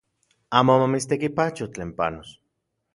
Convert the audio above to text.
Amo mamitstekipacho tlen panos